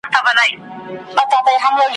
ټوله ژوي یو د بل په ځان بلا وه ,